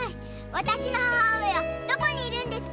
私の母上はどこにいるんですか